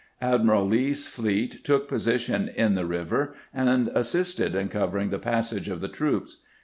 Admiral Lee's fleet took posi tion in the river, and assisted in covering the passage of the troops.